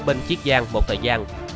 bên chiếc giang một thời gian